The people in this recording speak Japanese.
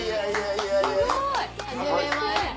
すごい！はじめまして。